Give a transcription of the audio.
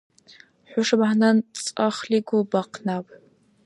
ХӀуша багьандан цӀахлигу бахъ наб!